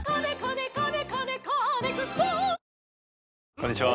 こんにちは。